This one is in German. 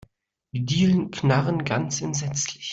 Die Dielen knarren ganz entsetzlich.